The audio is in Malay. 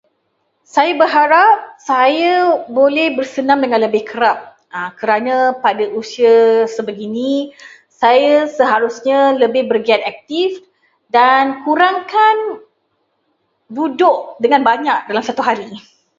Saya berharap saya boleh bersenam dengan lebih kerap, kerana pada usia sebegini, saya seharusnya lebih bergiat aktif dan kurangkan duduk dengan banyak dalam satu hari.